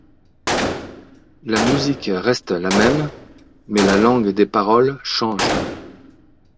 La musique reste la même, mais la langue des paroles change.